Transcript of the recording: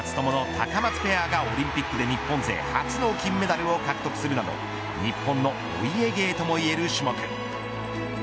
タカマツペアがオリンピックで日本勢初の金メダルを獲得するなど日本のお家芸ともいえる種目。